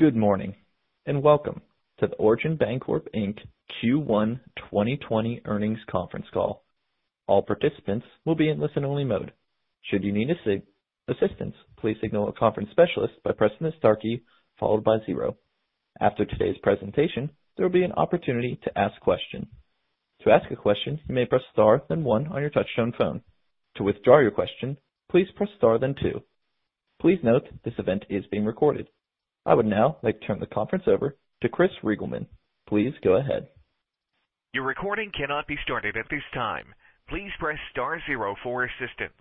Good morning, welcome to the Origin Bancorp Inc. Q1 2020 earnings conference call. All participants will be in listen-only mode. Should you need assistance, please signal a conference specialist by pressing the star key, followed by zero. After today's presentation, there will be an opportunity to ask questions. To ask a question, you may press star, then one on your touchtone phone. To withdraw your question, please press star, then two. Please note this event is being recorded. I would now like to turn the conference over to Chris Reigelman. Please go ahead. Your recording cannot be started at this time. Please press star zero for assistance.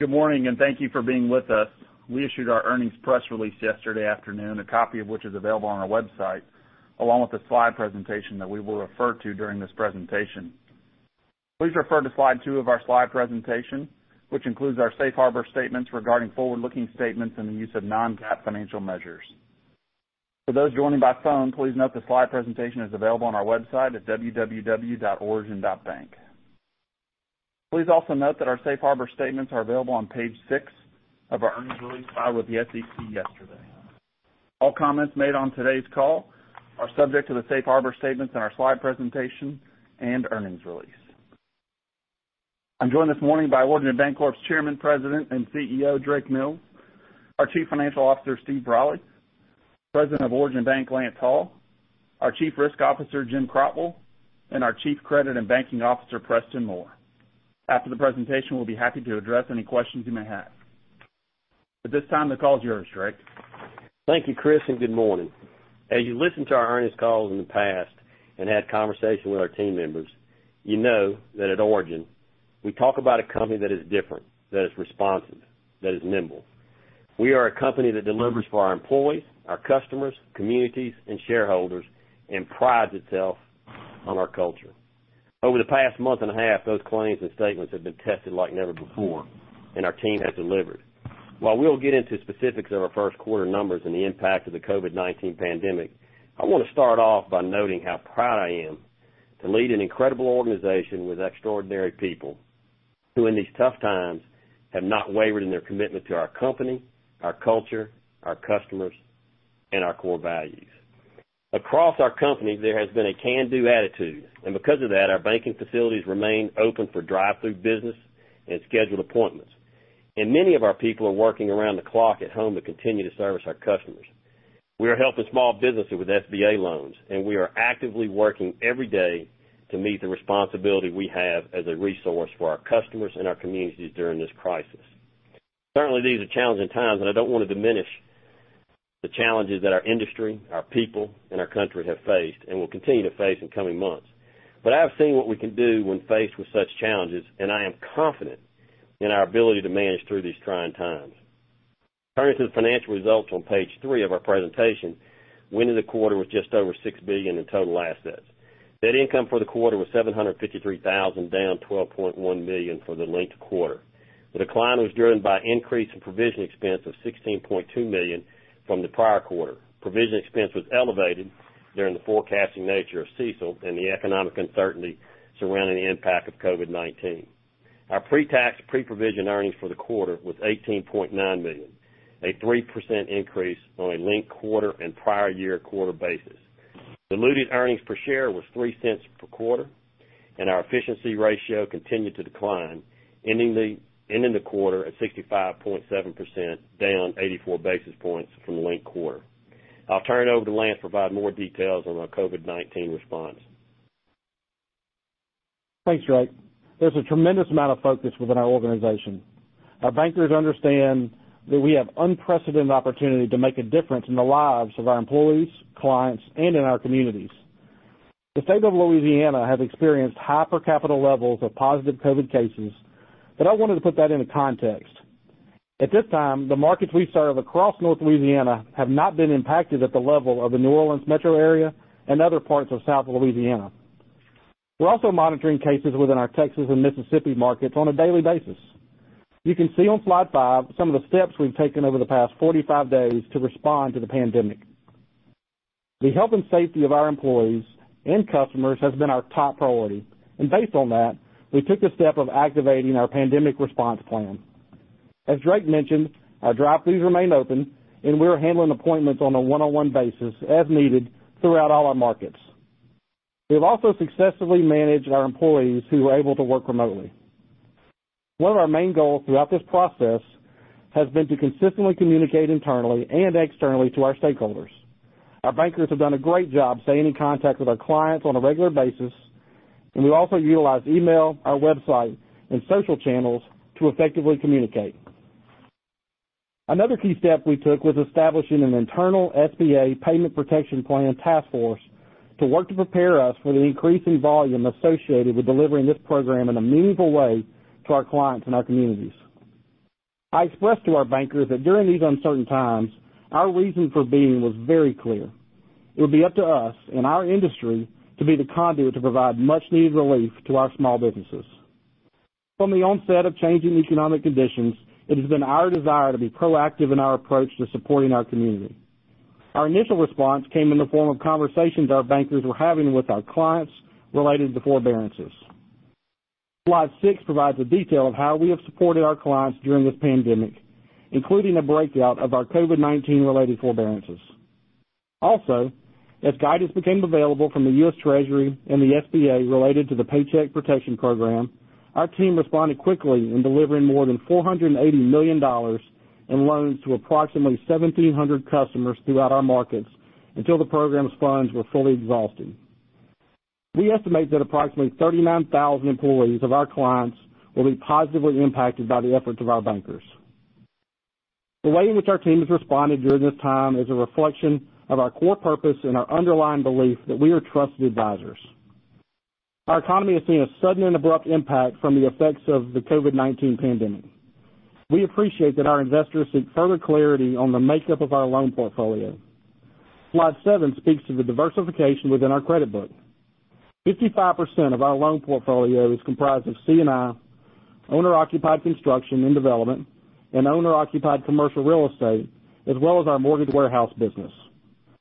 Good morning, and thank you for being with us. We issued our earnings press release yesterday afternoon, a copy of which is available on our website, along with the slide presentation that we will refer to during this presentation. Please refer to slide two of our slide presentation, which includes our safe harbor statements regarding forward-looking statements and the use of non-GAAP financial measures. For those joining by phone, please note the slide presentation is available on our website at www.origin.bank. Please also note that our safe harbor statements are available on page six of our earnings release filed with the SEC yesterday. All comments made on today's call are subject to the safe harbor statements in our slide presentation and earnings release. I'm joined this morning by Origin Bancorp's Chairman, President, and CEO, Drake Mills, our Chief Financial Officer, Stephen Brolly, President of Origin Bank, Lance Hall, our Chief Risk Officer, Jim Crotwell, and our Chief Credit and Banking Officer, Preston Moore. After the presentation, we'll be happy to address any questions you may have. At this time, the call is yours, Drake. Thank you, Chris, and good morning. As you listened to our earnings calls in the past and had conversation with our team members, you know that at Origin, we talk about a company that is different, that is responsive, that is nimble. We are a company that delivers for our employees, our customers, communities, and shareholders, and prides itself on our culture. Over the past month and a half, those claims and statements have been tested like never before, and our team has delivered. While we'll get into specifics of our Q1 numbers and the impact of the COVID-19 pandemic, I want to start off by noting how proud I am to lead an incredible organization with extraordinary people who, in these tough times, have not wavered in their commitment to our company, our culture, our customers, and our core values. Across our company, there has been a can-do attitude, and because of that, our banking facilities remain open for drive-through business and scheduled appointments. Many of our people are working around the clock at home to continue to service our customers. We are helping small businesses with SBA loans, and we are actively working every day to meet the responsibility we have as a resource for our customers and our communities during this crisis. Certainly, these are challenging times, and I don't want to diminish the challenges that our industry, our people, and our country have faced and will continue to face in coming months. I've seen what we can do when faced with such challenges, and I am confident in our ability to manage through these trying times. Turning to the financial results on page three of our presentation, we ended the quarter with just over $6 billion in total assets. Net income for the quarter was $753,000, down $12.1 million for the linked quarter. The decline was driven by increase in provision expense of $16.2 million from the prior quarter. Provision expense was elevated during the forecasting nature of CECL and the economic uncertainty surrounding the impact of COVID-19. Our pre-tax, pre-provision earnings for the quarter was $18.9 million, a 3% increase on a linked quarter and prior year quarter basis. Diluted earnings per share was $0.03 per quarter, and our efficiency ratio continued to decline, ending the quarter at 65.7%, down 84 basis points from the linked quarter. I'll turn it over to Lance to provide more details on our COVID-19 response. Thanks, Drake. There's a tremendous amount of focus within our organization. Our bankers understand that we have unprecedented opportunity to make a difference in the lives of our employees, clients, and in our communities. The state of Louisiana has experienced high per capita levels of positive COVID cases, but I wanted to put that into context. At this time, the markets we serve across North Louisiana have not been impacted at the level of the New Orleans metro area and other parts of South Louisiana. We're also monitoring cases within our Texas and Mississippi markets on a daily basis. You can see on slide five some of the steps we've taken over the past 45 days to respond to the pandemic. The health and safety of our employees and customers has been our top priority, and based on that, we took the step of activating our pandemic response plan. As Drake mentioned, our drive-throughs remain open, and we are handling appointments on a one-on-one basis, as needed, throughout all our markets. We have also successfully managed our employees who are able to work remotely. One of our main goals throughout this process has been to consistently communicate internally and externally to our stakeholders. Our bankers have done a great job staying in contact with our clients on a regular basis, and we also utilize email, our website, and social channels to effectively communicate. Another key step we took was establishing an internal SBA Paycheck Protection Program task force to work, To prepare us for the increasing volume associated with delivering this program in a meaningful way to our clients and our communities. I expressed to our bankers that during these uncertain times, our reason for being was very clear. It would be up to us and our industry to be the conduit to provide much-needed relief to our small businesses. From the onset of changing economic conditions, it has been our desire to be proactive in our approach to supporting our community. Our initial response came in the form of conversations our bankers were having with our clients related to forbearances. Slide six provides a detail of how we have supported our clients during this pandemic, including a breakout of our COVID-19 related forbearances. Also, as guidance became available from the U.S. Treasury and the SBA related to the Paycheck Protection Program, Our team responded quickly in delivering more than $480 million in loans to approximately 1,700 customers throughout our markets until the program's funds were fully exhausted. We estimate that approximately 39,000 employees of our clients will be positively impacted by the efforts of our bankers. The way in which our team has responded during this time is a reflection of our core purpose and our underlying belief that we are trusted advisors. Our economy has seen a sudden and abrupt impact from the effects of the COVID-19 pandemic. We appreciate that our investors seek further clarity on the makeup of our loan portfolio. Slide seven speaks to the diversification within our credit book. 55% of our loan portfolio is comprised of C&I, owner-occupied construction and development, and owner-occupied commercial real estate, as well as our Mortgage Warehouse business,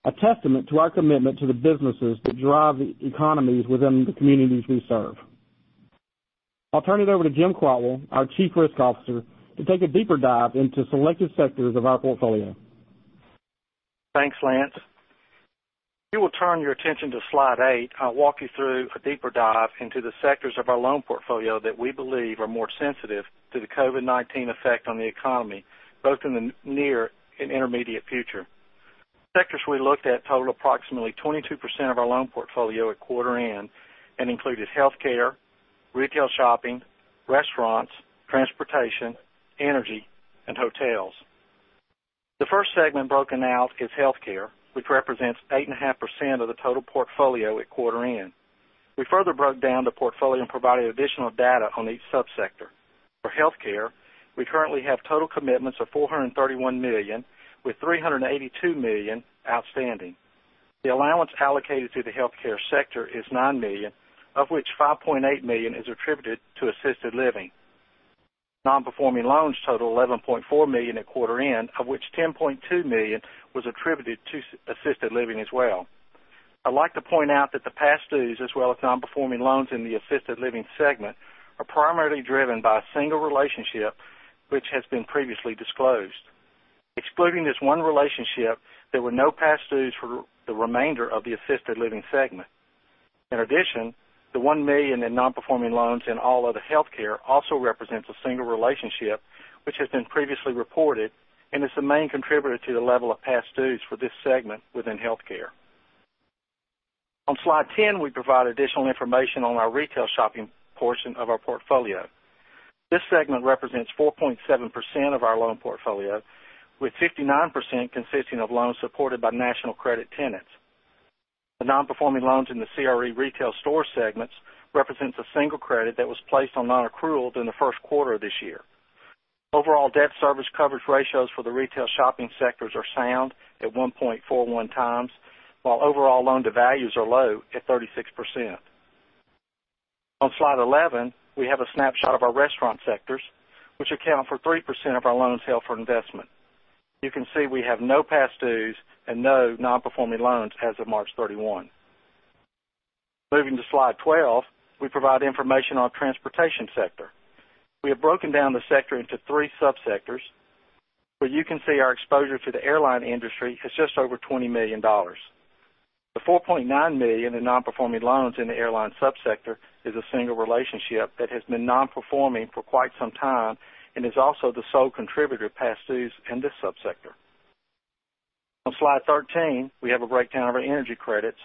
a testament to our commitment to the businesses that drive the economies within the communities we serve. I'll turn it over to Jim Crotwell, our Chief Risk Officer, to take a deeper dive into selected sectors of our portfolio. Thanks, Lance. If you will turn your attention to slide eight, I will walk you through a deeper dive into the sectors of our loan portfolio that we believe are more sensitive to the COVID-19 effect on the economy, both in the near and intermediate future. The sectors we looked at total approximately 22% of our loan portfolio at quarter end and included healthcare, retail shopping, restaurants, transportation, energy, and hotels. The first segment broken out is healthcare, which represents 8.5% of the total portfolio at quarter end. We further broke down the portfolio and provided additional data on each subsector. For healthcare, we currently have total commitments of $431 million, with $382 million outstanding. The allowance allocated to the healthcare sector is $9 million, of which $5.8 million is attributed to assisted living. Non-performing loans total $11.4 million at quarter end, of which $10.2 million was attributed to assisted living as well. I'd like to point out that the past dues as well as non-performing loans in the assisted living segment are primarily driven by a single relationship which has been previously disclosed. Excluding this one relationship, there were no past dues for the remainder of the assisted living segment. In addition, the $1 million in non-performing loans in all other healthcare also represents a single relationship which has been previously reported and is the main contributor to the level of past dues for this segment within healthcare. On slide 10, we provide additional information on our retail shopping portion of our portfolio. This segment represents 4.7% of our loan portfolio, with 59% consisting of loans supported by national credit tenants. The non-performing loans in the CRE retail store segments represents a single credit that was placed on non-accrual during the Q1 of this year. Overall debt service coverage ratios for the retail shopping sectors are sound at 1.41x, while overall loan to values are low at 36%. On slide 11, we have a snapshot of our restaurant sectors, which account for 3% of our loans held for investment. You can see we have no past dues and no non-performing loans as of March 31st. Moving to slide 12, we provide information on transportation sector. We have broken down the sector into three subsectors, where you can see our exposure to the airline industry is just over $20 million. The $4.9 million in non-performing loans in the airline subsector is a single relationship that has been non-performing for quite some time and is also the sole contributor to past dues in this subsector. On slide 13, we have a breakdown of our energy credits,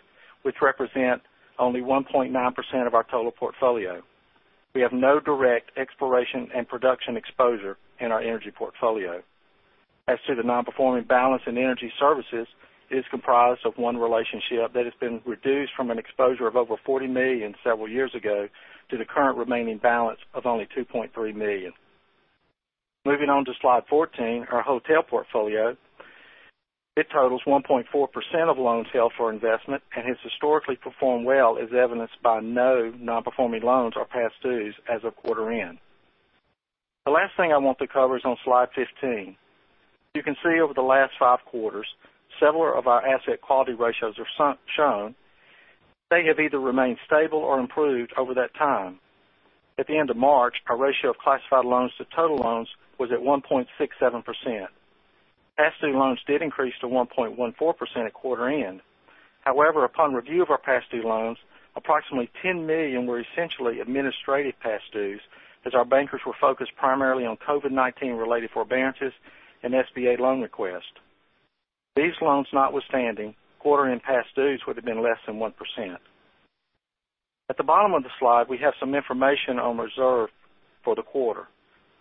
which represent only 1.9% of our total portfolio. We have no direct exploration and production exposure in our energy portfolio. As to the non-performing balance in energy services is comprised of one relationship that has been reduced from an exposure of over $40 million several years ago to the current remaining balance of only $2.3 million. Moving on to slide 14, our hotel portfolio. It totals 1.4% of loans held for investment and has historically performed well, as evidenced by no non-performing loans or past dues as of quarter end. The last thing I want to cover is on slide 15. You can see over the last five quarters, several of our asset quality ratios are shown. They have either remained stable or improved over that time. At the end of March, our ratio of classified loans to total loans was at 1.67%. Past due loans did increase to 1.14% at quarter end. Upon review of our past due loans, approximately $10 million were essentially administrative past dues, as our bankers were focused primarily on COVID-19 related forbearances and SBA loan requests. These loans notwithstanding, quarter end past dues would have been less than 1%. At the bottom of the slide, we have some information on reserve for the quarter.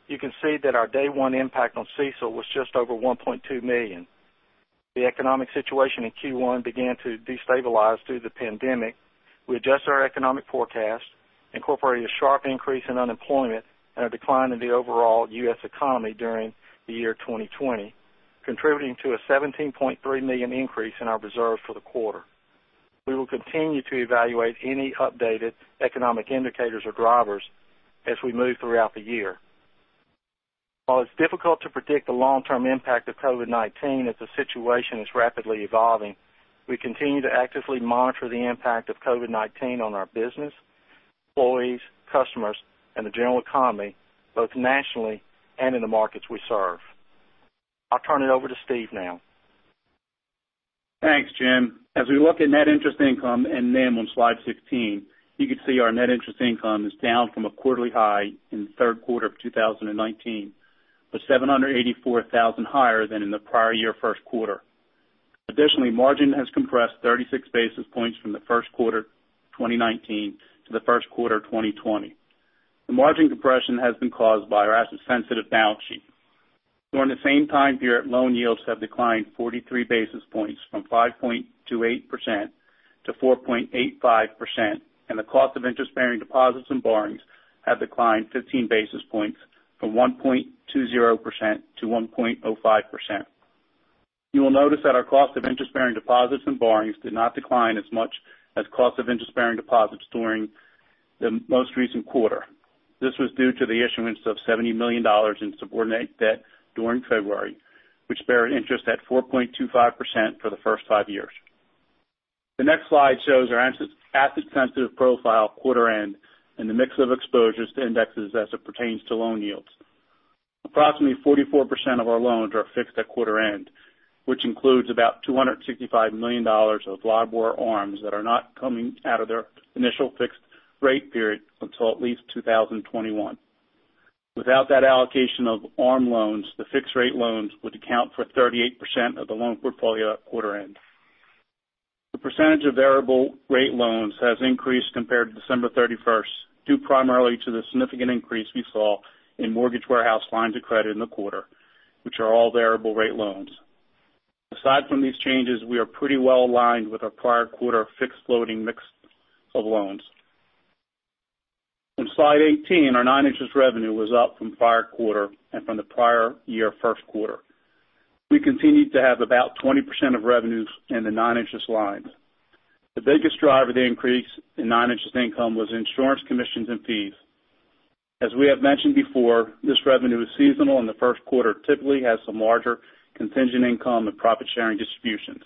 You can see that our day one impact on CECL was just over $1.2 million. The economic situation in Q1 began to destabilize through the pandemic. We adjusted our economic forecast, incorporating a sharp increase in unemployment and a decline in the overall U.S. economy during the year 2020, contributing to a $17.3 million increase in our reserve for the quarter. We will continue to evaluate any updated economic indicators or drivers as we move throughout the year. While it's difficult to predict the long-term impact of COVID-19 as the situation is rapidly evolving, we continue to actively monitor the impact of COVID-19 on our business, employees, customers, and the general economy, both nationally and in the markets we serve. I'll turn it over to Stephen now. Thanks, Jim. As we look at net interest income and NIM on slide 16, you can see our net interest income is down from a quarterly high in the Q3 of 2019, but $784,000 higher than in the prior year Q1. Margin has compressed 36 basis points from the Q1 2019 to the Q1 2020. The margin compression has been caused by our asset sensitive balance sheet. During the same time period, loan yields have declined 43 basis points from 5.28%-4.85%, and the cost of interest-bearing deposits and borrowings have declined 15 basis points from 1.20%-1.05%. You will notice that our cost of interest-bearing deposits and borrowings did not decline as much as cost of interest-bearing deposits during the most recent quarter. This was due to the issuance of $70 million in subordinated debt during February, which bear an interest at 4.25% for the first five years. The next slide shows our asset sensitive profile quarter end and the mix of exposures to indexes as it pertains to loan yields. Approximately 44% of our loans are fixed at quarter end, which includes about $265 million of LIBOR ARMs that are not coming out of their initial fixed rate period until at least 2021. Without that allocation of ARM loans, the fixed rate loans would account for 38% of the loan portfolio at quarter end. The percentage of variable rate loans has increased compared to December 31st, due primarily to the significant increase we saw in Mortgage Warehouse lines of credit in the quarter, which are all variable rate loans. Aside from these changes, we are pretty well aligned with our prior quarter fixed loading mix of loans. On slide 18, our non-interest revenue was up from prior quarter and from the prior year Q1. We continued to have about 20% of revenues in the non-interest lines. The biggest driver of the increase in non-interest income was insurance commissions and fees. As we have mentioned before, this revenue is seasonal, and the Q1 typically has some larger contingent income and profit-sharing distributions.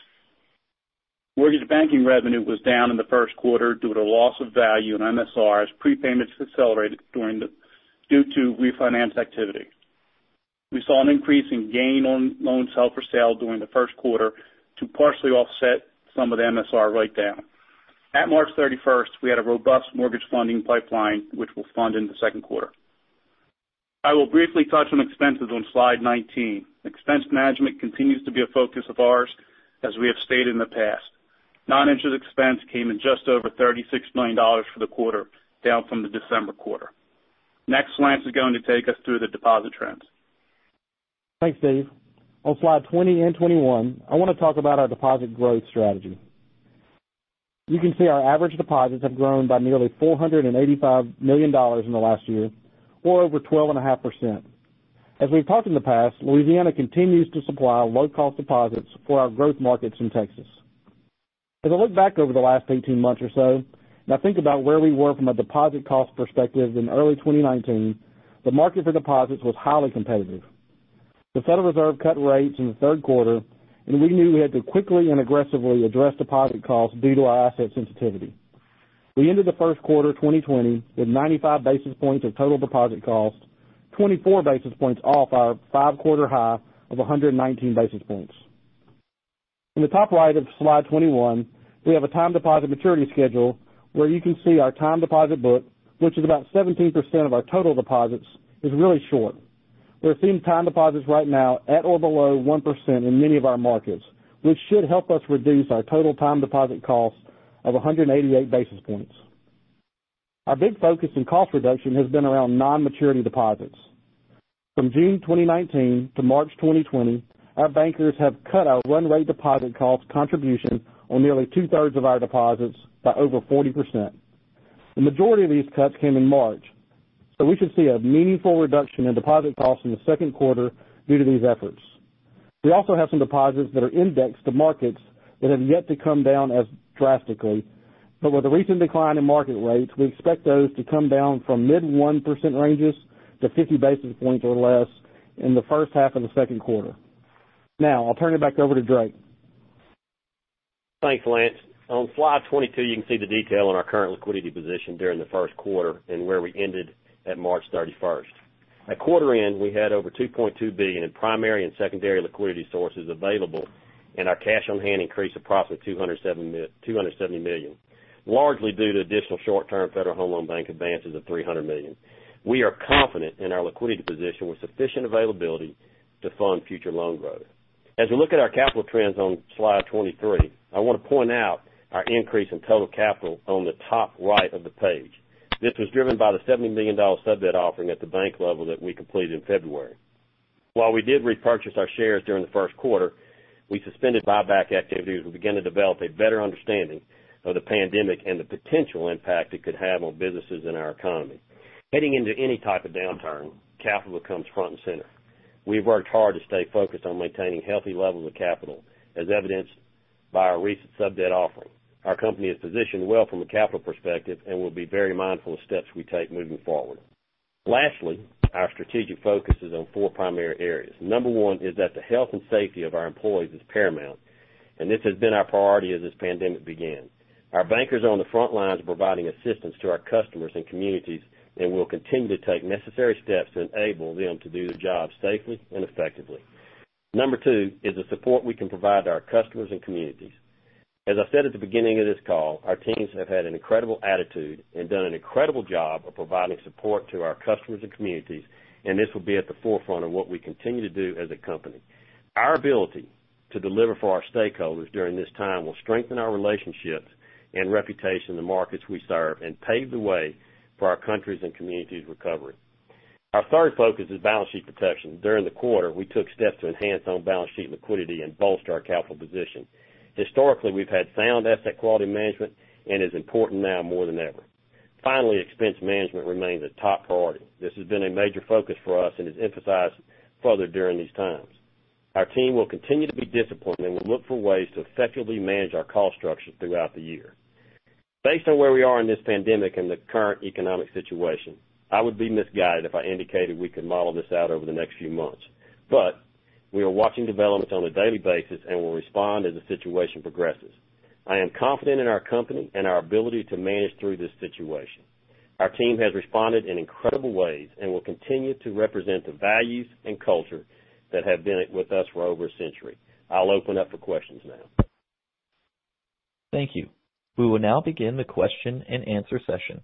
Mortgage banking revenue was down in the Q1 due to loss of value in MSRs. Prepayments accelerated due to refinance activity. We saw an increase in gain on loans held for sale during the Q1 to partially offset some of the MSR write down. At March 31st, we had a robust mortgage funding pipeline, which we'll fund in the Q2. I will briefly touch on expenses on slide 19. Expense management continues to be a focus of ours, as we have stated in the past. Non-interest expense came in just over $36 million for the quarter, down from the December quarter. Lance is going to take us through the deposit trends. Thanks, Stephen. On slide 20 and 21, I want to talk about our deposit growth strategy. You can see our average deposits have grown by nearly $485 million in the last year, or over 12.5%. As we've talked in the past, Louisiana continues to supply low-cost deposits for our growth markets in Texas. As I look back over the last 18 months or so and I think about where we were from a deposit cost perspective in early 2019, the market for deposits was highly competitive. The Federal Reserve cut rates in the Q3, and we knew we had to quickly and aggressively address deposit costs due to our asset sensitivity. We ended the Q1 2020 with 95 basis points of total deposit cost, 24 basis points off our five-quarter high of 119 basis points. In the top right of slide 21, we have a time deposit maturity schedule where you can see our time deposit book, which is about 17% of our total deposits, is really short. We're seeing time deposits right now at or below 1% in many of our markets, which should help us reduce our total time deposit cost of 188 basis points. Our big focus in cost reduction has been around non-maturity deposits. From June 2019 to March 2020, our bankers have cut our run rate deposit cost contribution on nearly two-thirds of our deposits by over 40%. The majority of these cuts came in March, we should see a meaningful reduction in deposit costs in the Q2 due to these efforts. We also have some deposits that are indexed to markets that have yet to come down as drastically. With the recent decline in market rates, we expect those to come down from mid 1% ranges to 50 basis points or less in the H1 of the Q2. I'll turn it back over to Drake. Thanks, Lance. On slide 22, you can see the detail on our current liquidity position during the Q1 and where we ended at March 31st. At quarter end, we had over $2.2 billion in primary and secondary liquidity sources available, and our cash on hand increased approximately $270 million, largely due to additional short-term Federal Home Loan Banks advances of $300 million. We are confident in our liquidity position with sufficient availability to fund future loan growth. As we look at our capital trends on slide 23, I want to point out our increase in total capital on the top right of the page. This was driven by the $70 million sub debt offering at the bank level that we completed in February. While we did repurchase our shares during the Q1, we suspended buyback activity as we begin to develop a better understanding of the pandemic and the potential impact it could have on businesses in our economy. Heading into any type of downturn, capital comes front and center. We've worked hard to stay focused on maintaining healthy levels of capital, as evidenced by our recent sub-debt offering. Our company is positioned well from a capital perspective, and we'll be very mindful of steps we take moving forward. Lastly, our strategic focus is on four primary areas. Number one is that the health and safety of our employees is paramount, and this has been our priority as this pandemic began. Our bankers are on the front lines providing assistance to our customers and communities and will continue to take necessary steps to enable them to do their jobs safely and effectively. Number two is the support we can provide to our customers and communities. As I said at the beginning of this call, our teams have had an incredible attitude and done an incredible job of providing support to our customers and communities. This will be at the forefront of what we continue to do as a company. Our ability to deliver for our stakeholders during this time will strengthen our relationships and reputation in the markets we serve and pave the way for our countries and communities' recovery. Our third focus is balance sheet protection. During the quarter, we took steps to enhance on-balance sheet liquidity and bolster our capital position. Historically, we've had sound asset quality management and is important now more than ever. Finally, expense management remains a top priority. This has been a major focus for us and is emphasized further during these times. Our team will continue to be disciplined, and we'll look for ways to effectively manage our cost structure throughout the year. Based on where we are in this pandemic and the current economic situation, I would be misguided if I indicated we could model this out over the next few months. We are watching developments on a daily basis and will respond as the situation progresses. I am confident in our company and our ability to manage through this situation. Our team has responded in incredible ways and will continue to represent the values and culture that have been with us for over a century. I'll open up for questions now. Thank you. We will now begin the question and answer session.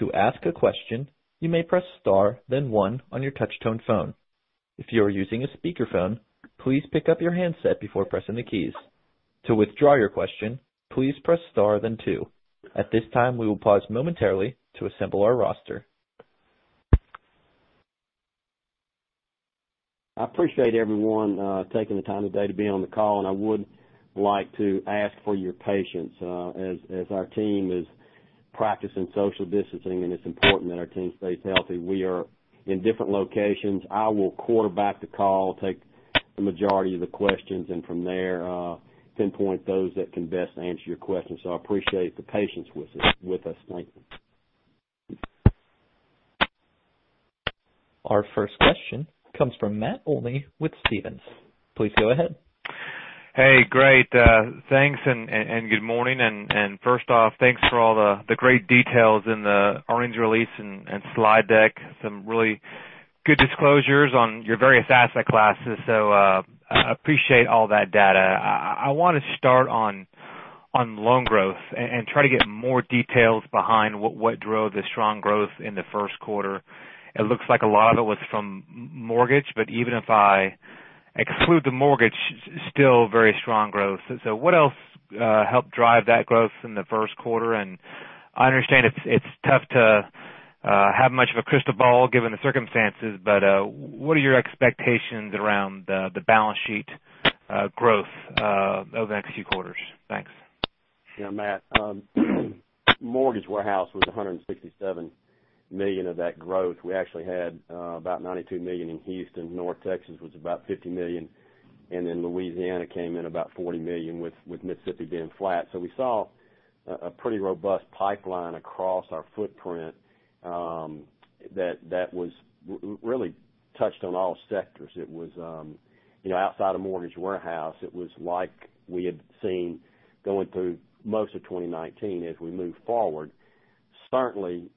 To ask a question, you may press star then one on your touch-tone phone. If you are using a speakerphone, please pick up your handset before pressing the keys. To withdraw your question, please press star then two. At this time, we will pause momentarily to assemble our roster. I appreciate everyone taking the time today to be on the call, and I would like to ask for your patience, as our team is practicing social distancing, and it's important that our team stays healthy. We are in different locations. I will quarterback the call, take the majority of the questions, and from there, pinpoint those that can best answer your questions. I appreciate the patience with us tonight. Our first question comes from Matt Olney with Stephens. Please go ahead. Hey, great. Thanks. Good morning. First off, thanks for all the great details in the earnings release and slide deck. Some really good disclosures on your various asset classes. Appreciate all that data. I want to start on loan growth and try to get more details behind what drove the strong growth in the Q1. It looks like a lot of it was from mortgage. Even if I exclude the mortgage, still very strong growth. What else helped drive that growth in the Q1? I understand it's tough to have much of a crystal ball given the circumstances. What are your expectations around the balance sheet growth over the next few quarters? Thanks. Matt, Mortgage Warehouse was $167 million of that growth. We actually had about $92 million in Houston. North Texas was about $50 million, Louisiana came in about $40 million, with Mississippi being flat. We saw a pretty robust pipeline across our footprint, that was really touched on all sectors. Outside of Mortgage Warehouse, it was like we had seen going through most of 2019 as we move forward. Certainly,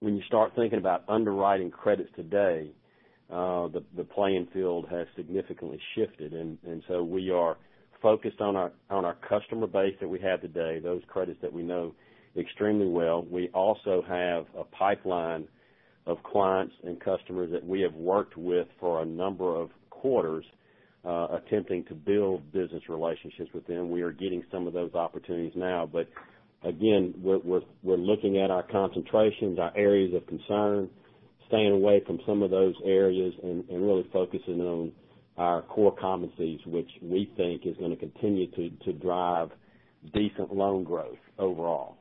when you start thinking about underwriting credits today, the playing field has significantly shifted. We are focused on our customer base that we have today, those credits that we know extremely well. We also have a pipeline of clients and customers that we have worked with for a number of quarters, attempting to build business relationships with them. We are getting some of those opportunities now, but again, we're looking at our concentrations, our areas of concern, staying away from some of those areas and really focusing on our core competencies, which we think is going to continue to drive decent loan growth overall.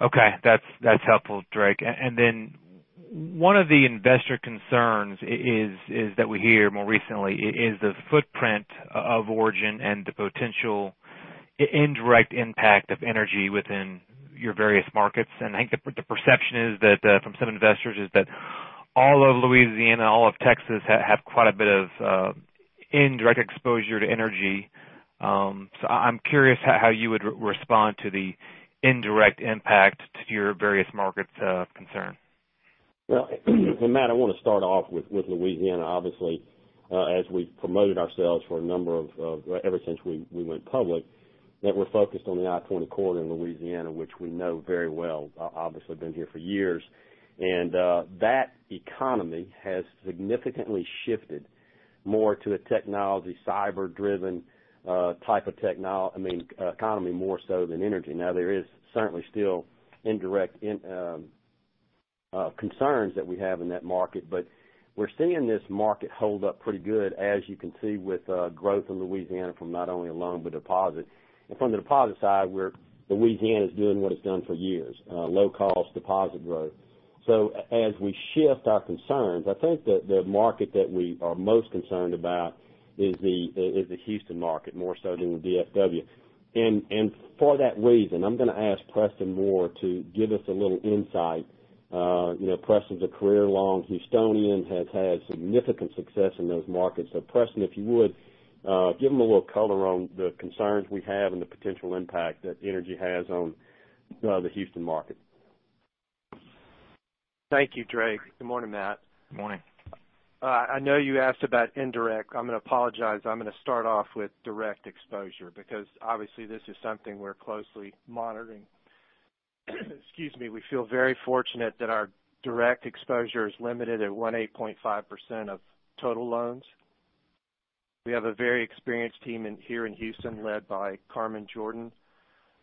Okay. That's helpful, Drake. One of the investor concerns is that we hear more recently is the footprint of Origin and the potential indirect impact of energy within your various markets. I think the perception is that from some investors is that all of Louisiana, all of Texas, have quite a bit of indirect exposure to energy. I'm curious how you would respond to the indirect impact to your various markets of concern. Well, Matt, I want to start off with Louisiana, obviously, as we've promoted ourselves ever since we went public, that we're focused on the I-20 corridor in Louisiana, which we know very well, obviously been here for years. That economy has significantly shifted more to a technology, cyber-driven type of, I mean, economy, more so than energy. Now, there is certainly still indirect concerns that we have in that market, but we're seeing this market hold up pretty good, as you can see with growth in Louisiana from not only loan, but deposit. From the deposit side, Louisiana is doing what it's done for years, low-cost deposit growth. As we shift our concerns, I think that the market that we are most concerned about is the Houston market, more so than the DFW. For that reason, I'm going to ask Preston Moore to give us a little insight. Preston's a career-long Houstonian, has had significant success in those markets. Preston, if you would give them a little color on the concerns we have and the potential impact that energy has on the Houston market. Thank you, Drake. Good morning, Matt. Good morning. I know you asked about indirect. I'm going to apologize. I'm going to start off with direct exposure, because obviously this is something we're closely monitoring. Excuse me. We feel very fortunate that our direct exposure is limited at 18.5% of total loans. We have a very experienced team here in Houston led by Carmen Jordan.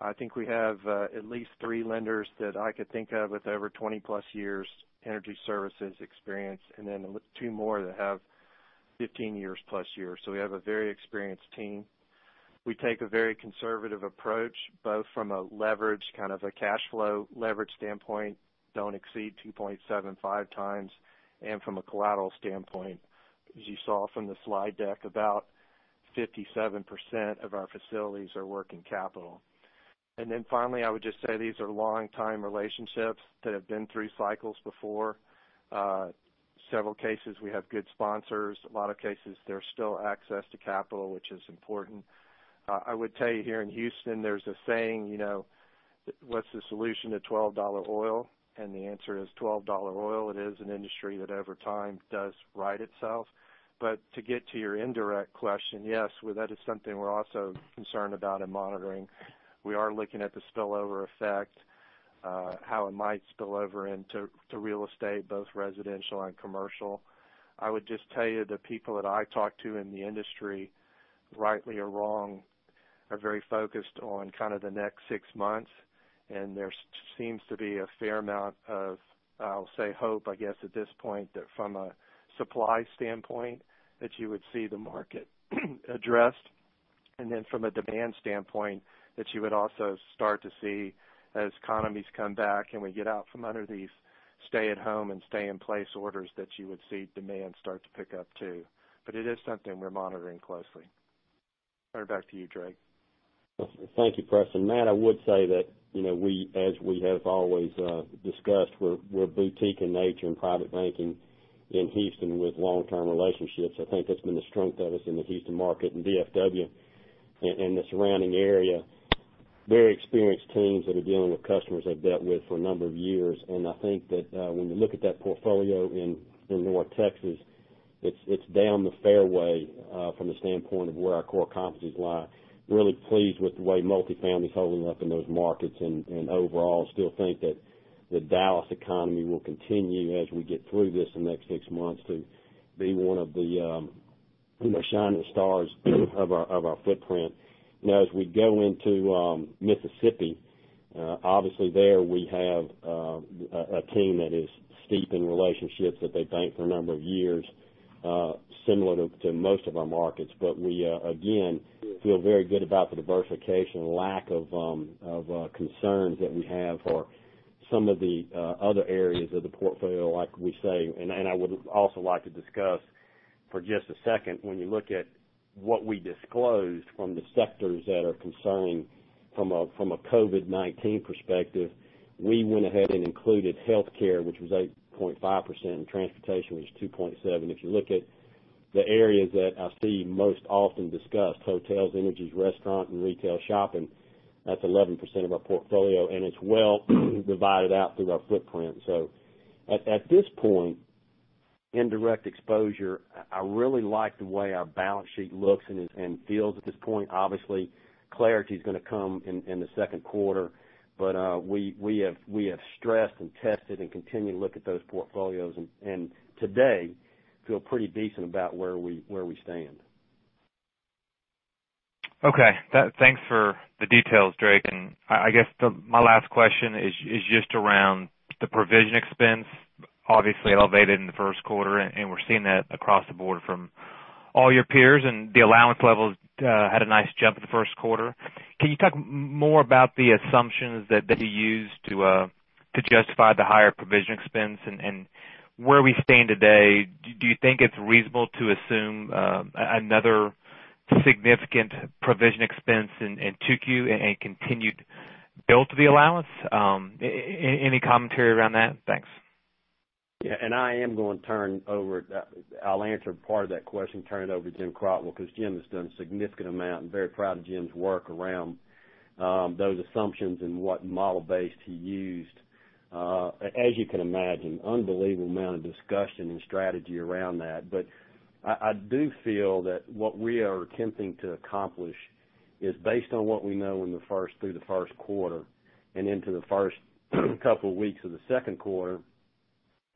I think we have at least three lenders that I could think of with over 20+years energy services experience, and then two more that have 15+ years. We have a very experienced team. We take a very conservative approach, both from a kind of a cash flow leverage standpoint, don't exceed 2.75x, and from a collateral standpoint. As you saw from the slide deck, about 57% of our facilities are working capital. Finally, I would just say these are long-time relationships that have been through cycles before. Several cases, we have good sponsors. A lot of cases, there's still access to capital, which is important. I would tell you here in Houston, there's a saying, what's the solution to $12 oil? The answer is $12 oil. It is an industry that over time does right itself. To get to your indirect question, yes, that is something we're also concerned about and monitoring. We are looking at the spillover effect, how it might spill over into real estate, both residential and commercial. I would just tell you, the people that I talk to in the industry, rightly or wrong, are very focused on kind of the next six months, and there seems to be a fair amount of, I'll say, hope, I guess, at this point, that from a supply standpoint, that you would see the market addressed. From a demand standpoint, that you would also start to see as economies come back and we get out from under these stay-at-home and stay-in-place orders, that you would see demand start to pick up, too. It is something we're monitoring closely. Turn it back to you, Drake. Thank you, Preston. Matt, I would say that as we have always discussed, we're boutique in nature in private banking in Houston with long-term relationships. I think that's been the strength of us in the Houston market and DFW and the surrounding area. Very experienced teams that are dealing with customers they've dealt with for a number of years. I think that when you look at that portfolio in North Texas, it's down the fairway from the standpoint of where our core competencies lie. Really pleased with the way multifamily's holding up in those markets, and overall, still think that the Dallas economy will continue as we get through this in the next six months to be one of the shining stars of our footprint. As we go into Mississippi, obviously there we have a team that is steep in relationships that they bank for a number of years, similar to most of our markets. We again, feel very good about the diversification and lack of concerns that we have for some of the other areas of the portfolio, like we say. I would also like to discuss for just a second, When you look at what we disclosed from the sectors that are concerning from a COVID-19 perspective, we went ahead and included healthcare, which was 8.5%, and transportation, which is 2.7%. If you look at the areas that I see most often discussed, hotels, energy, restaurant, and retail shopping, that's 11% of our portfolio, and it's well divided out through our footprint. At this point, indirect exposure, I really like the way our balance sheet looks and feels at this point. Obviously, clarity is going to come in the Q2. We have stressed and tested and continue to look at those portfolios, and today, feel pretty decent about where we stand. Okay. Thanks for the details, Drake. I guess my last question is just around the provision expense, obviously elevated in the Q1, and we're seeing that across the board from all your peers, and the allowance levels had a nice jump in the Q1. Can you talk more about the assumptions that you used to justify the higher provision expense and where we stand today? Do you think it's reasonable to assume another significant provision expense in 2Q and a continued build to the allowance? Any commentary around that? Thanks. Yeah. I'll answer part of that question, turn it over to Jim Crotwell, because Jim has done a significant amount, and very proud of Jim's work around those assumptions and what model base he used. As you can imagine, unbelievable amount of discussion and strategy around that. I do feel that what we are attempting to accomplish is based on what we know through the Q1 and into the first couple of weeks of the Q2,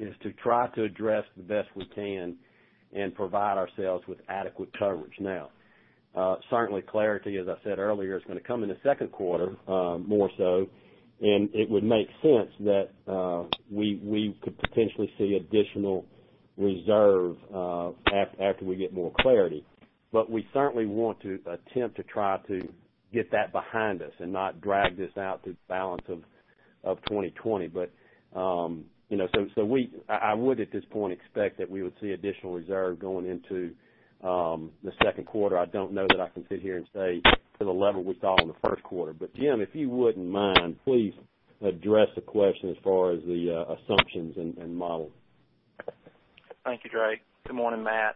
is to try to address the best we can and provide ourselves with adequate coverage. Certainly clarity, as I said earlier, is going to come in the Q2, more so, and it would make sense that we could potentially see additional reserve after we get more clarity. We certainly want to attempt to try to get that behind us and not drag this out through the balance of 2020. I would, at this point, expect that we would see additional reserve going into the Q2. I don't know that I can sit here and say to the level we saw in the Q1. Jim, if you wouldn't mind, please address the question as far as the assumptions and modeling. Thank you, Drake. Good morning, Matt.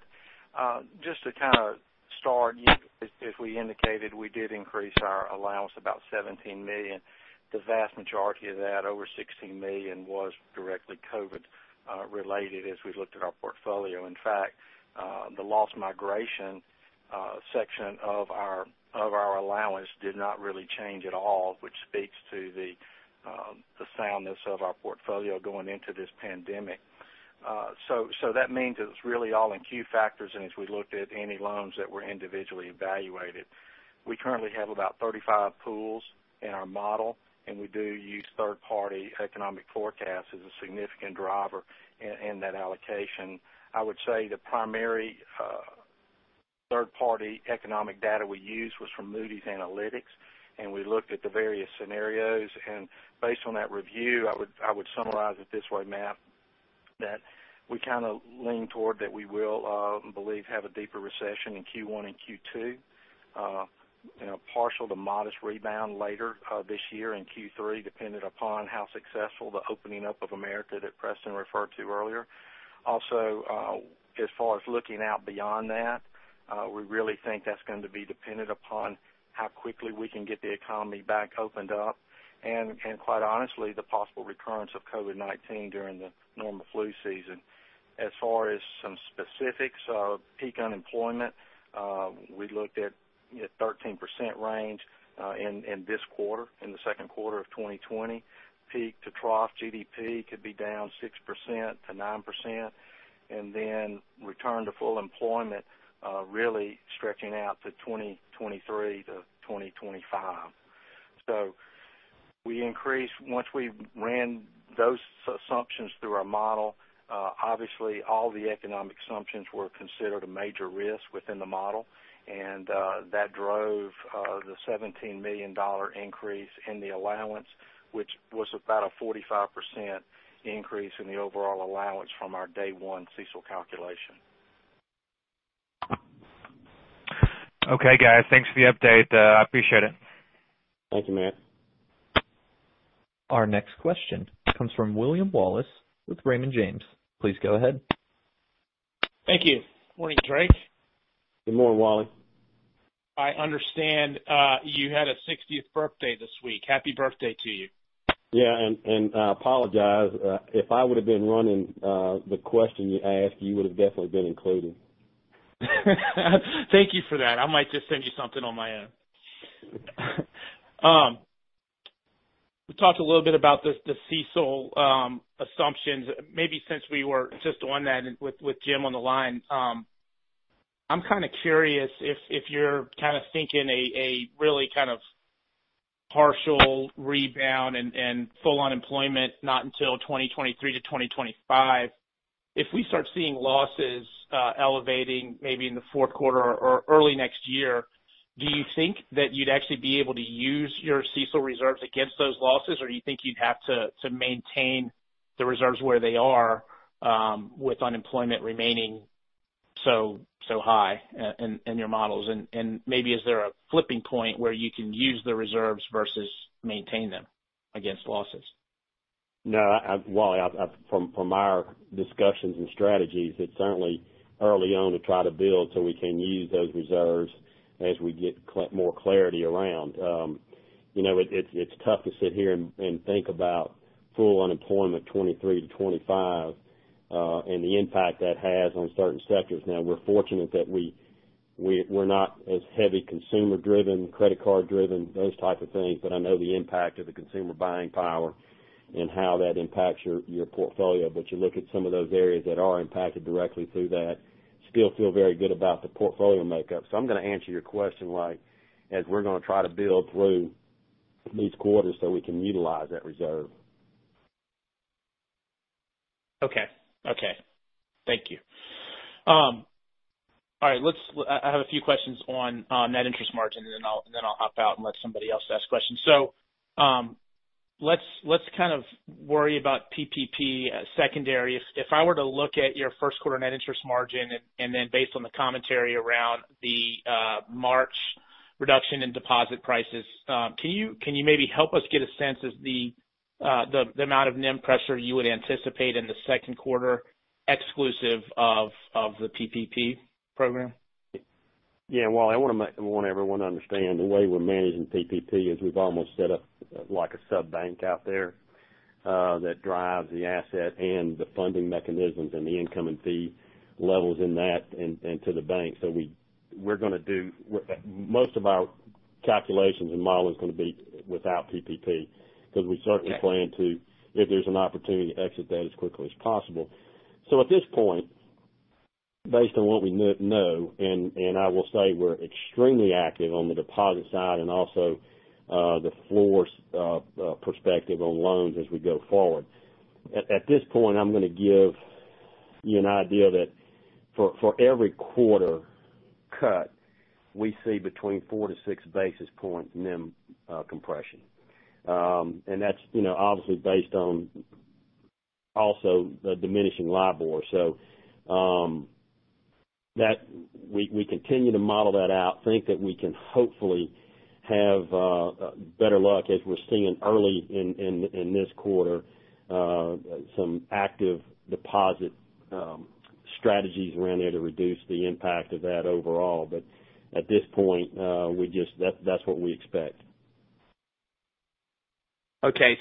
Just to kind of start, as we indicated, we did increase our allowance about $17 million. The vast majority of that, over $16 million, was directly COVID related as we looked at our portfolio. In fact, the loss migration section of our allowance did not really change at all, which speaks to the soundness of our portfolio going into this pandemic. That means it was really all in Q factors, and as we looked at any loans that were individually evaluated. We currently have about 35 pools in our model, and we do use third-party economic forecast as a significant driver in that allocation. I would say the primary third-party economic data we used was from Moody's Analytics, and we looked at the various scenarios. Based on that review, I would summarize it this way, Matt, that we kind of lean toward that we will, believe, have a deeper recession in Q1 and Q2. Partial to modest rebound later this year in Q3, dependent upon how successful the opening up of America that Preston referred to earlier. As far as looking out beyond that, we really think that's going to be dependent upon how quickly we can get the economy back opened up. Quite honestly, the possible recurrence of COVID-19 during the normal flu season. As far as some specifics of peak unemployment, we looked at 13% range in this quarter, in theQ2 of 2020. Peak to trough GDP could be down 6%-9%, then return to full employment really stretching out to 2023-2025. Once we ran those assumptions through our model, obviously all the economic assumptions were considered a major risk within the model. That drove the $17 million increase in the allowance, which was about a 45% increase in the overall allowance from our day one CECL calculation. Okay, guys, thanks for the update. I appreciate it. Thank you, Matt. Our next question comes from William Wallace with Raymond James. Please go ahead. Thank you. Morning, Drake. Good morning, William. I understand you had a 60th birthday this week. Happy birthday to you. Yeah, I apologize. If I would've been running the question you asked, you would've definitely been included. Thank you for that. I might just send you something on my own. We talked a little bit about the CECL assumptions. Since we were just on that and with Jim on the line, I'm kind of curious if you're kind of thinking a really kind of partial rebound and full unemployment not until 2023-2025. If we start seeing losses elevating maybe in the Q4 or early next year, do you think that you'd actually be able to use your CECL reserves against those losses, or do you think you'd have to maintain the reserves where they are with unemployment remaining so high in your models? Is there a flipping point where you can use the reserves versus maintain them against losses? William, from our discussions and strategies, it's certainly early on to try to build so we can use those reserves as we get more clarity around. It's tough to sit here and think about full unemployment 2023-2025, and the impact that has on certain sectors. We're fortunate that we're not as heavy consumer driven, credit card driven, those type of things, but I know the impact of the consumer buying power and how that impacts your portfolio. You look at some of those areas that are impacted directly through that, still feel very good about the portfolio makeup. I'm going to answer your question, William, as we're going to try to build through these quarters so we can utilize that reserve. Okay. Thank you. All right, I have a few questions on net interest margin, and then I'll hop out and let somebody else ask questions. Let's kind of worry about PPP secondary. If I were to look at your Q1 net interest margin, and then based on the commentary around the March reduction in deposit prices, can you maybe help us get a sense of the amount of NIM pressure you would anticipate in the Q2 exclusive of the PPP program? William, I want everyone to understand the way we're managing PPP is we've almost set up like a sub-bank out there that drives the asset and the funding mechanisms and the income and fee levels in that into the bank. Most of our calculations and modeling is going to be without PPP because we certainly plan to, if there's an opportunity, exit that as quickly as possible. At this point, based on what we know, and I will say we're extremely active on the deposit side and also the floors perspective on loans as we go forward. At this point, I'm going to give you an idea that for every quarter cut, we see between four to 6 basis points NIM compression. That's obviously based on also the diminishing LIBOR. We continue to model that out, think that we can hopefully have better luck as we're seeing early in this quarter, some active deposit strategies around there to reduce the impact of that overall. At this point, that's what we expect. Okay.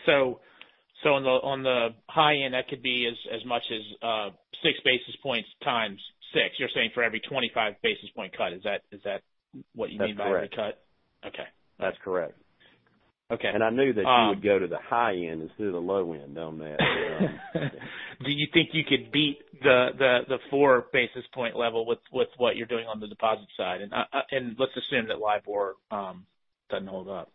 On the high end, that could be as much as 6 basis points x6, you're saying for every 25 basis point cut. Is that what you mean? That's correct. By every cut? Okay. That's correct. Okay. I knew that you would go to the high end instead of the low end on that. Do you think you could beat the four basis point level with what you're doing on the deposit side? Let's assume that LIBOR doesn't hold up.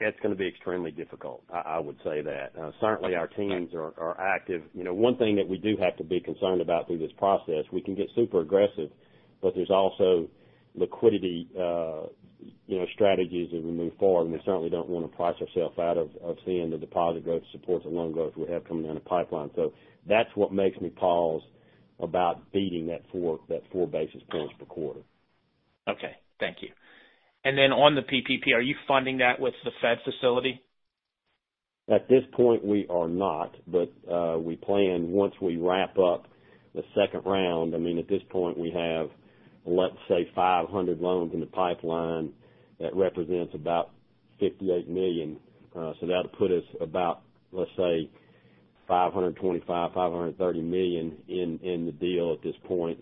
It's going to be extremely difficult, I would say that. Certainly, our teams are active. One thing that we do have to be concerned about through this process, we can get super aggressive, but there's also liquidity strategies as we move forward, and we certainly don't want to price ourselves out of seeing the deposit growth support the loan growth we have coming down the pipeline. That's what makes me pause about beating that 4 basis points per quarter. Okay, thank you. On the PPP, are you funding that with the Fed facility? At this point, we are not, but we plan once we wrap up the second round. At this point, we have, let's say, 500 loans in the pipeline. That represents about $58 million. That'll put us about, let's say, $525 million, $530 million in the deal at this point.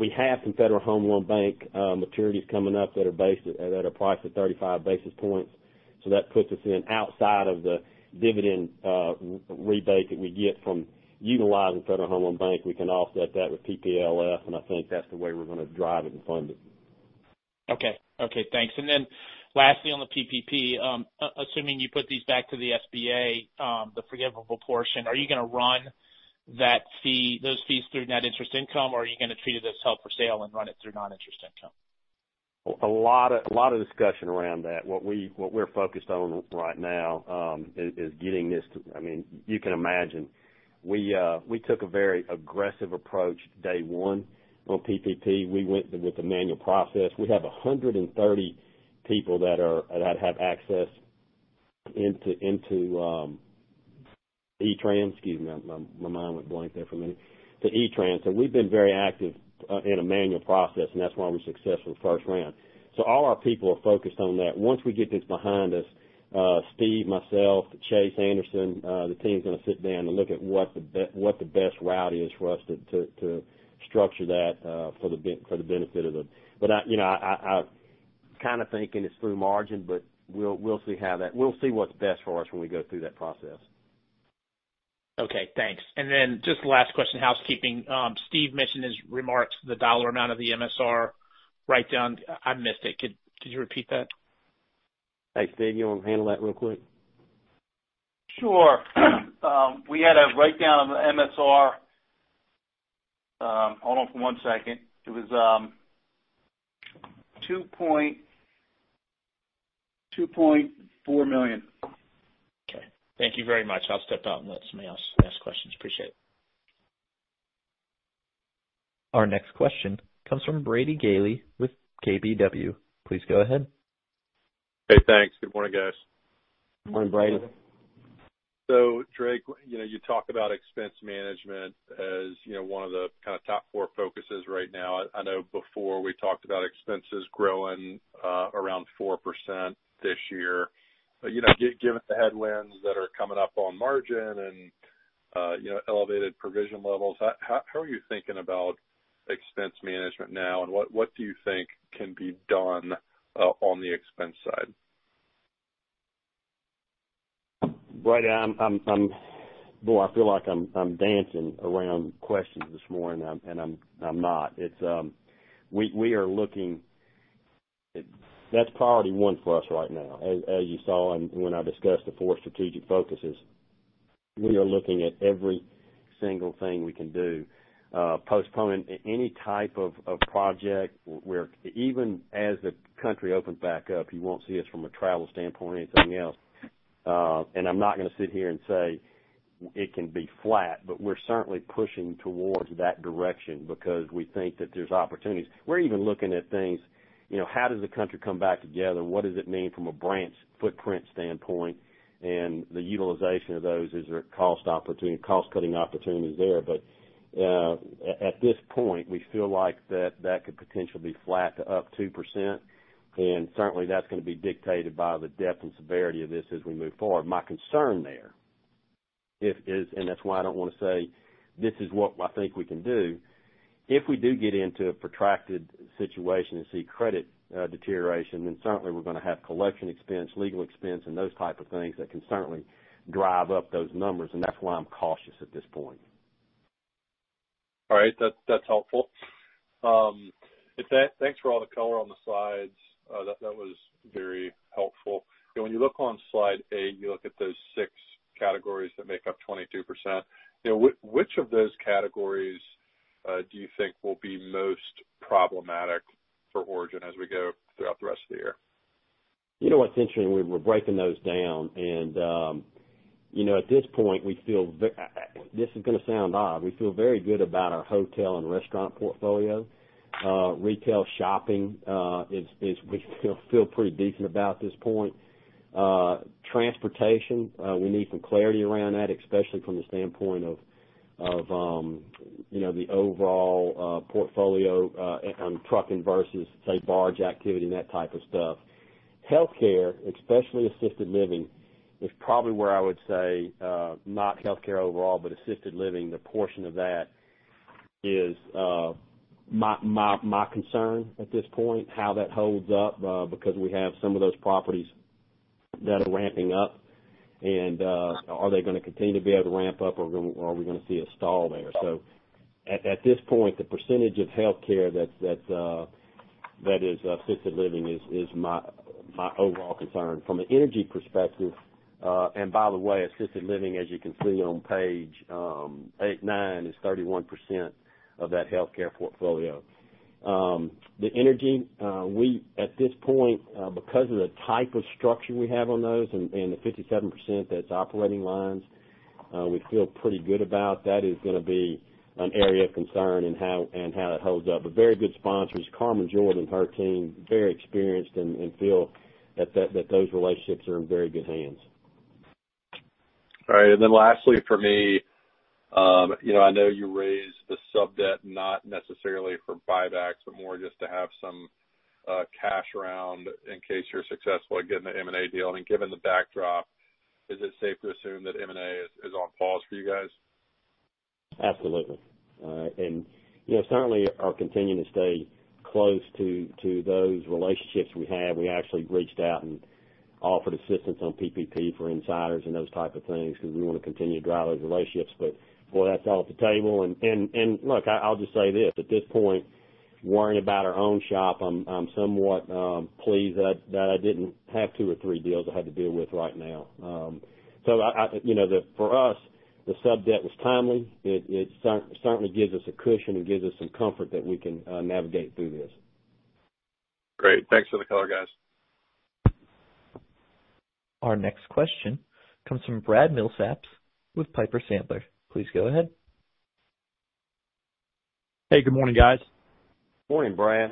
We have some Federal Home Loan Banks maturities coming up that are priced at 35 basis points. That puts us in outside of the dividend rebate that we get from utilizing Federal Home Loan Banks. We can offset that with PPLF, and I think that's the way we're going to drive it and fund it. Okay. Thanks. Lastly, on the PPP, assuming you put these back to the SBA, the forgivable portion, are you going to run those fees through net interest income, or are you going to treat it as held for sale and run it through non-interest income? A lot of discussion around that. What we're focused on right now, is getting this. You can imagine, we took a very aggressive approach day one on PPP. We went with the manual process. We have 130 people that have access into E-Tran. Excuse me, my mind went blank there for a minute. To E-Tran. We've been very active in a manual process, and that's why we were successful the first round. All our people are focused on that. Once we get this behind us, Stephen, myself, Chase Anderson, the team's going to sit down and look at what the best route is for us to structure that for the benefit of it. I'm kind of thinking it's through margin, but we'll see what's best for us when we go through that process. Okay, thanks. Just the last question, housekeeping. Stephen mentioned his remarks, the dollar amount of the MSR write down. I missed it. Could you repeat that? Hey, Stephen, you want to handle that real quick? Sure. We had a write down on the MSR. Hold on for one second. It was $2.4 million. Okay, thank you very much. I'll step out and let somebody else ask questions. Appreciate it. Our next question comes from Brady Gailey with KBW. Please go ahead. Hey, thanks. Good morning, guys. Morning, Brady. Drake, you talk about expense management as one of the top four focuses right now. I know before we talked about expenses growing around 4% this year. Given the headwinds that are coming up on margin and elevated provision levels, how are you thinking about expense management now, and what do you think can be done on the expense side? Brady, boy, I feel like I'm dancing around questions this morning, and I'm not. That's priority one for us right now, as you saw when I discussed the four strategic focuses. We are looking at every single thing we can do. Postponing any type of project, where even as the country opens back up, you won't see us from a travel standpoint or anything else. I'm not going to sit here and say it can be flat, but we're certainly pushing towards that direction because we think that there's opportunities. We're even looking at things, how does the country come back together? What does it mean from a branch footprint standpoint and the utilization of those? Is there cost cutting opportunities there? At this point, we feel like that could potentially be flat to up 2%, and certainly that's going to be dictated by the depth and severity of this as we move forward. My concern there is, and that's why I don't want to say, this is what I think we can do. If we do get into a protracted situation and see credit deterioration, then certainly we're going to have collection expense, legal expense, and those type of things that can certainly drive up those numbers, and that's why I'm cautious at this point. All right. That's helpful. Thanks for all the color on the slides. That was very helpful. You look on slide eight, you look at those six categories that make up 22%, which of those categories do you think will be most problematic for Origin as we go throughout the rest of the year? You know what's interesting, we're breaking those down, and at this point, this is going to sound odd, we feel very good about our hotel and restaurant portfolio. Retail shopping, we feel pretty decent about at this point. Transportation, we need some clarity around that, especially from the standpoint of the overall portfolio on trucking versus, say, barge activity and that type of stuff. Healthcare, especially assisted living, is probably where I would say, not healthcare overall, but assisted living, the portion of that is my concern at this point, how that holds up, because we have some of those properties that are ramping up. Are they going to continue to be able to ramp up, or are we going to see a stall there? At this point, the percentage of healthcare that is assisted living is my overall concern. From an energy perspective. Assisted living, as you can see on page eight, nine, is 31% of that healthcare portfolio. The energy, at this point, because of the type of structure we have on those and the 57% that's operating lines, we feel pretty good about. That is going to be an area of concern and how that holds up. Very good sponsors, Carmen Jordan and her team, very experienced, and feel that those relationships are in very good hands. All right. Lastly for me, I know you raised the sub-debt not necessarily for buybacks, but more just to have some cash around in case you're successful at getting the M&A deal. Given the backdrop, is it safe to assume that M&A is on pause for you guys? Absolutely. Certainly, are continuing to stay close to those relationships we have. We actually reached out and offered assistance on PPP for insiders and those type of things because we want to continue to grow those relationships. Boy, that's all at the table. Look, I'll just say this, at this point, worrying about our own shop, I'm somewhat pleased that I didn't have two or three deals I had to deal with right now. For us, the sub-debt was timely. It certainly gives us a cushion and gives us some comfort that we can navigate through this. Great. Thanks for the color, guys. Our next question comes from Brad Milsaps with Piper Sandler. Please go ahead. Hey, good morning, guys. Morning, Brad.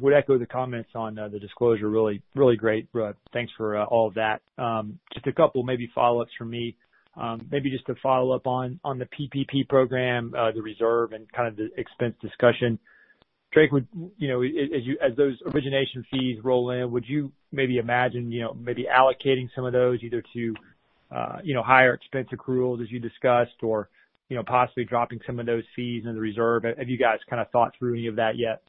Would echo the comments on the disclosure. Really great. Thanks for all of that. Just a couple maybe follow-ups from me. Maybe just to follow up on the PPP Program, the reserve, and kind of the expense discussion. Drake, as those origination fees roll in, would you maybe imagine allocating some of those either to higher expense accruals as you discussed, or possibly dropping some of those fees in the reserve? Have you guys kind of thought through any of that yet?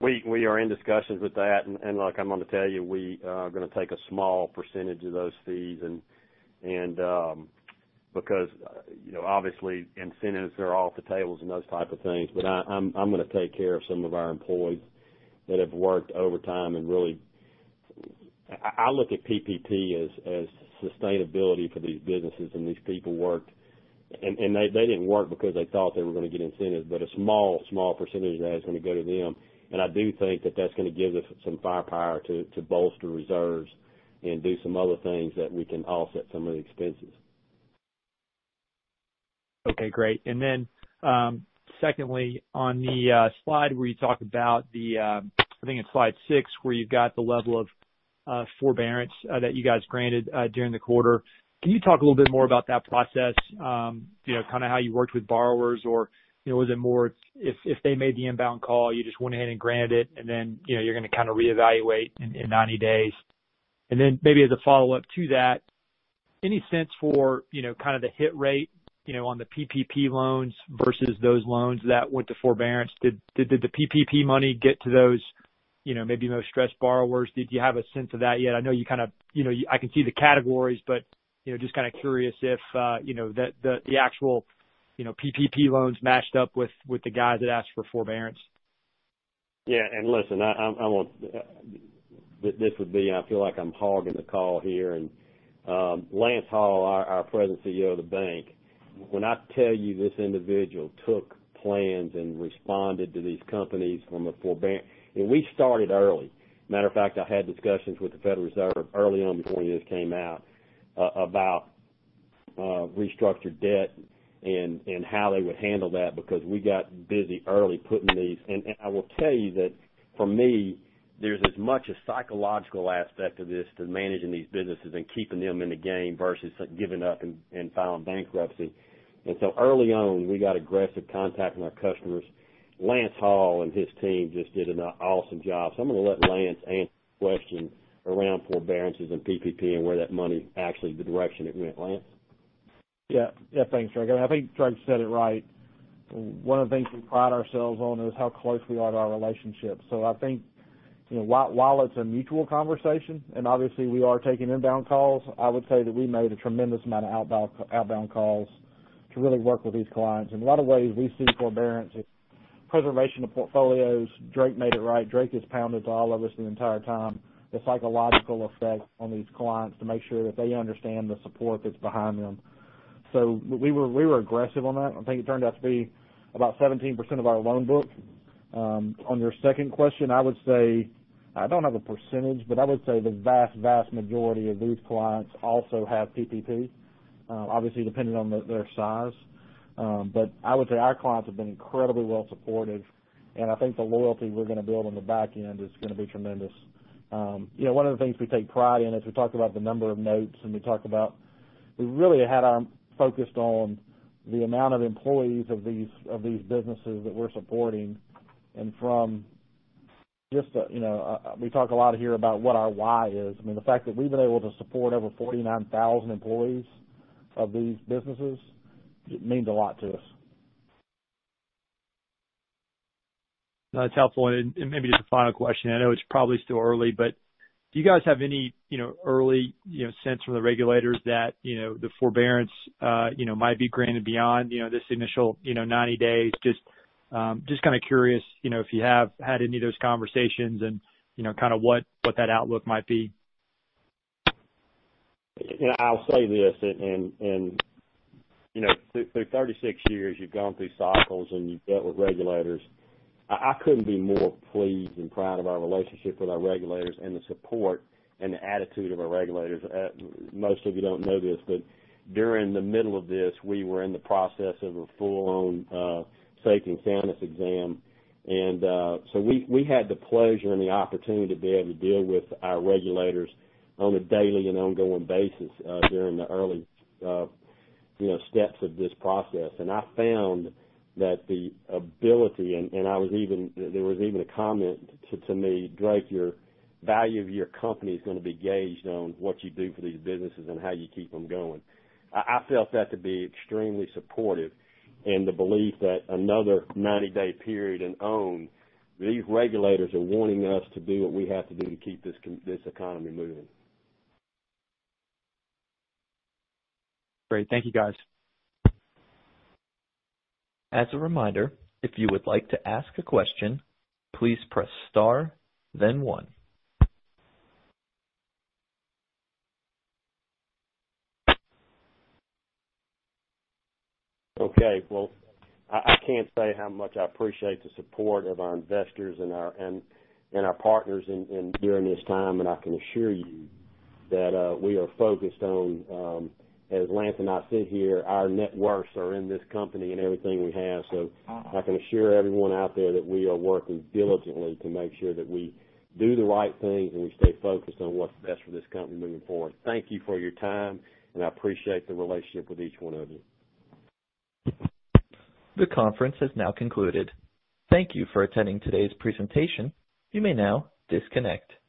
We are in discussions with that. Look, I'm going to tell you, we are going to take a small percentage of those fees, because obviously, incentives are off the tables and those type of things, but I'm going to take care of some of our employees that have worked overtime, and really I look at PPP as sustainability for these businesses. They didn't work because they thought they were going to get incentives, but a small percentage of that is going to go to them. I do think that that's going to give us some firepower to bolster reserves and do some other things that we can offset some of the expenses. Okay, great. Secondly, on the slide where you talk about the, I think it's slide six, where you've got the level of forbearance that you guys granted during the quarter. Can you talk a little bit more about that process, kind of how you worked with borrowers? Or was it more if they made the inbound call, you just went ahead and granted it, and then you're going to kind of reevaluate in 90 days? Maybe as a follow-up to that, any sense for kind of the hit rate on the PPP loans versus those loans that went to forbearance? Did the PPP money get to those maybe most stressed borrowers? Did you have a sense of that yet? I can see the categories, just kind of curious if the actual PPP loans matched up with the guys that asked for forbearance. Yeah. Listen, this would be, I feel like I'm hogging the call here. Lance Hall, our President and CEO of the bank, when I tell you this individual took plans and responded to these companies. We started early. Matter of fact, I had discussions with the Federal Reserve early on before any of this came out, about restructured debt and how they would handle that because we got busy early. I will tell you that for me, there's as much a psychological aspect of this to managing these businesses and keeping them in the game versus giving up and filing bankruptcy. Early on, we got aggressive contacting our customers. Lance Hall and his team just did an awesome job. I'm going to let Lance answer the question around forbearances and PPP and where that money, actually the direction it went. Lance? Thanks, Drake. I think Drake said it right. One of the things we pride ourselves on is how close we are to our relationships. I think while it's a mutual conversation, and obviously we are taking inbound calls, I would say that we made a tremendous amount of outbound calls to really work with these clients. In a lot of ways, we see forbearance as preservation of portfolios. Drake made it right. Drake has pounded to all of us the entire time the psychological effect on these clients to make sure that they understand the support that's behind them. We were aggressive on that. I think it turned out to be about 17% of our loan book. On your second question, I would say, I don't have a percentage, but I would say the vast majority of these clients also have PPP, obviously depending on their size. I would say our clients have been incredibly well-supported, and I think the loyalty we're going to build on the back end is going to be tremendous. One of the things we take pride in, as we talked about the number of notes and we talked about, we really had our focus on the amount of employees of these businesses that we're supporting. We talk a lot here about what our why is. The fact that we've been able to support over 49,000 employees of these businesses, it means a lot to us. That's helpful. Maybe just a final question, I know it's probably still early, but do you guys have any early sense from the regulators that the forbearance might be granted beyond this initial 90 days? Just kind of curious if you have had any of those conversations and kind of what that outlook might be. I'll say this, through 36 years, you've gone through cycles and you've dealt with regulators. I couldn't be more pleased and proud of our relationship with our regulators and the support and the attitude of our regulators. Most of you don't know this, during the middle of this, we were in the process of a full-blown safe and soundness exam. We had the pleasure and the opportunity to be able to deal with our regulators on a daily and ongoing basis during the early steps of this process. I found that, and there was even a comment to me, "Drake, your value of your company is going to be gauged on what you do for these businesses and how you keep them going." I felt that to be extremely supportive and the belief that another 90-day period and on, these regulators are wanting us to do what we have to do to keep this economy moving. Great. Thank you, guys. As a reminder, if you would like to ask a question, please press star then one. Okay, well, I can't say how much I appreciate the support of our investors and our partners during this time, and I can assure you that we are focused on, as Lance and I sit here, our net worths are in this company and everything we have. I can assure everyone out there that we are working diligently to make sure that we do the right things and we stay focused on what's best for this company moving forward. Thank you for your time, and I appreciate the relationship with each one of you. The conference has now concluded. Thank you for attending today's presentation. You may now disconnect.